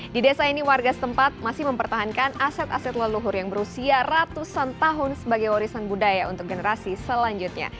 di desa ini warga setempat masih mempertahankan aset aset leluhur yang berusia ratusan tahun sebagai warisan budaya untuk generasi selanjutnya